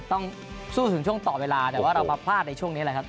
ต้องสู้ถึงช่วงต่อเวลาแต่ว่าเรามาพลาดในช่วงนี้แหละครับ